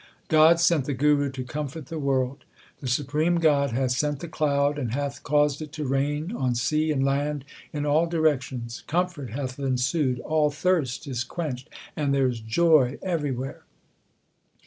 God sent the Guru to comfort the world : The supreme God hath sent the cloud, 1 And hath caused it to rain on sea and land in all directions. Comfort hath ensued, all thirst is quenched, and there is joy everywhere.